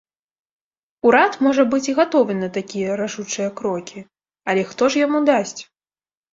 Урад, можа быць, і гатовы на такія рашучыя крокі, але хто ж яму дасць?